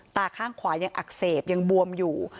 ตาข้างขวายังอักเสบยังบวมอยู่